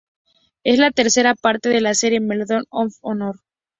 Es la tercera parte de la serie "Medal of Honor".